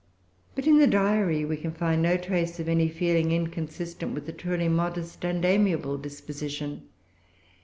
But, in the Diary, we can find no trace of any feeling inconsistent with a truly modest and amiable disposition.